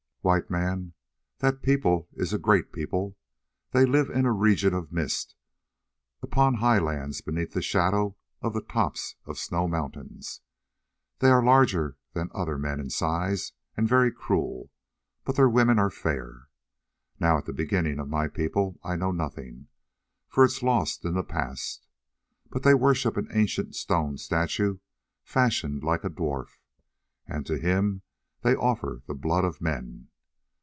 "White Man, that people is a great people. They live in a region of mist, upon high lands beneath the shadow of the tops of snow mountains. They are larger than other men in size, and very cruel, but their women are fair. Now of the beginning of my people I know nothing, for it is lost in the past. But they worship an ancient stone statue fashioned like a dwarf, and to him they offer the blood of men.